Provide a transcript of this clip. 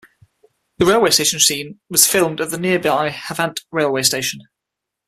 The railway station scene was filmed at the nearby Havant railway station.